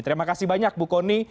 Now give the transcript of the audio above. terima kasih banyak bu kony